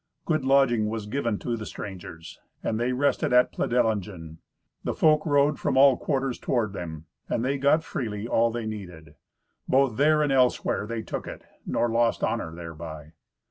Good lodging was given to the strangers, and they rested at Pledelingen. The folk rode from all quarters toward them, and they got freely all they needed. Both there and elsewhere they took it, nor lost honour thereby.